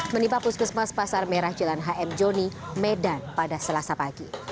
menimpa puskesmas pasar merah jalan hm joni medan pada selasa pagi